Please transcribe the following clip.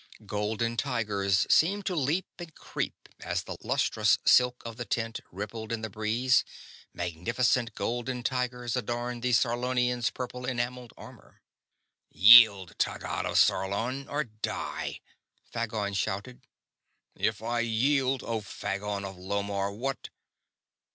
Golden tigers seemed to leap and creep as the lustrous silk of the tent rippled in the breeze; magnificent golden tigers adorned the Sarlonian's purple enameled armor. "Yield, Taggad of Sarlon, or die!" Phagon shouted. "If I yield, Oh Phagon of Lomarr, what...."